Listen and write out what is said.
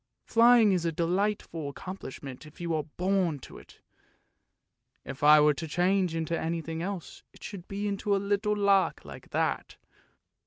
Flying is a delightful accomplish ment if you are born to it ! If I were to change into anything else it should be into a little lark like that!